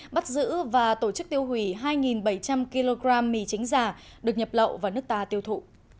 bắt giữ và tổ chức tiêu hủy hai bảy trăm linh kg mì chính giả được nhập lậu vào nước ta tiêu thụ